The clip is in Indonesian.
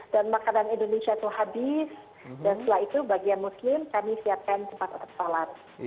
dan makanan indonesia itu habis dan setelah itu bagian muslim kami siapkan tempat untuk sholat